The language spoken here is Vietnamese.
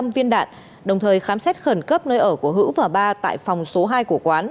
một mươi viên đạn đồng thời khám xét khẩn cấp nơi ở của hữu và ba tại phòng số hai của quán